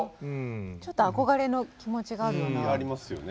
ちょっと憧れの気持ちがあるような。ありますよね。